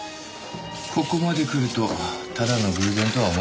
ここまでくるとただの偶然とは思えませんね。